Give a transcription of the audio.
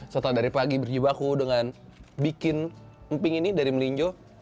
setelah dari pagi berjibaku dengan bikin emping ini dari melinjo